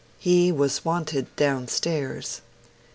He was wanted downstairs.